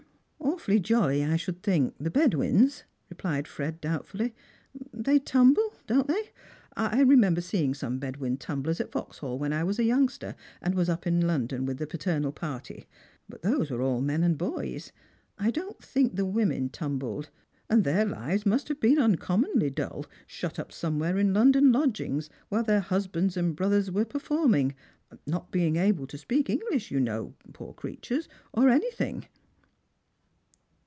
" Awfully jolly, I should think, the Bedouins," replied Fred doubtfully. "They tumble, don't they? I remember seeing some Bedouin tumblers at Vauxball when I was a youngster, and was up in London with the paternal party. But those were all men and boys. I don't think the women tumbled ; and their lives must have been uncommonly dull, shut up somewhere in London lodgings, while their husbands and brothers were performing, not being able to speak English, you know, poor creatures, or anything."